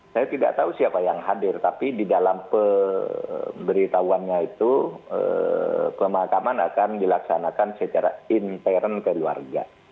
saya tidak tahu siapa yang hadir tapi di dalam pemberitahuannya itu pemakaman akan dilaksanakan secara intern dari warga